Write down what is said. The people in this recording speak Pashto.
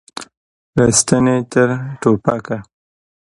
له ستنې تر ټوپکه.